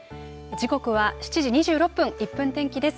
時刻は７時２６分、１分天気です。